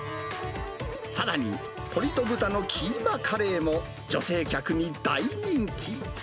さらに、鶏と豚のキーマカレーも女性客に大人気。